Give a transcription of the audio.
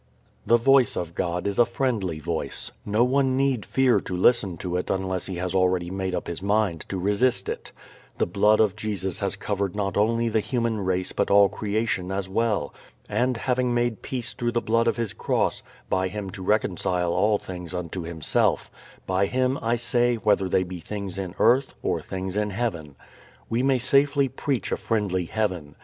The Voice of God is a friendly Voice. No one need fear to listen to it unless he has already made up his mind to resist it. The blood of Jesus has covered not only the human race but all creation as well. "And having made peace through the blood of his cross, by him to reconcile all things unto himself; by him, I say, whether they be things in earth, or things in heaven." We may safely preach a friendly Heaven.